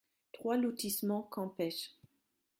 trois lotissement Campêche